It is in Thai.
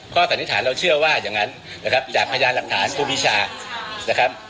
สันนิษฐานเราเชื่อว่าอย่างนั้นนะครับจากพยานหลักฐานครูปีชานะครับ